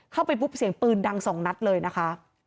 เข้าไปปุ๊บเสียงปืนดังสองนัดเลยนะคะ